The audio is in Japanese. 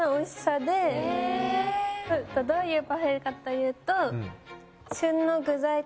どういうパフェかというと。